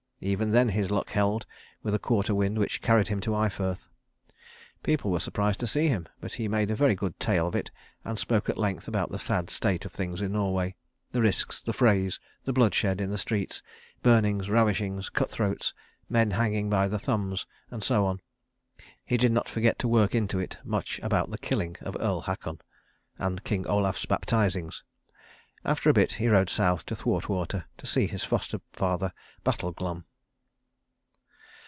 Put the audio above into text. Even then his luck held, with a quarter wind which carried him to Eyefirth. People were surprised to see him; but he made a very good tale of it, and spoke at length about the sad state of things in Norway, the risks, the frays, the bloodshed in the streets, burnings, ravishings, cut throats, men hanging by the thumbs and so on. He did not forget to work into it much about the killing of Earl Haakon, and King Olaf's baptizings. After a bit he rode South to Thwartwater to see his foster father Battle Glum.